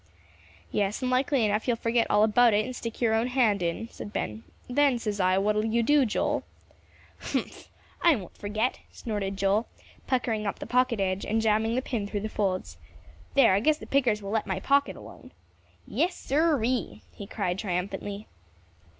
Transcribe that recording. "Yes, and likely enough you'll forget all about it and stick your own hand in," said Ben, "then, says I, what'll you do, Joel?" "Humph I won't forget," snorted Joel, puckering up the pocket edge and jamming the pin through the folds; "there, I guess the pickers will let my pocket alone. Yes sir ee," he cried triumphantly.